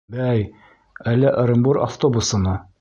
— Бәй, әллә Ырымбур автобусымы?